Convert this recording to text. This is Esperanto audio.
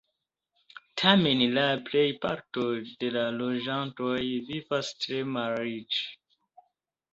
Tamen la plejparto de la loĝantoj vivas tre malriĉe.